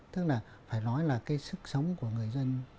tức là phải nói là cái sức sống của người dân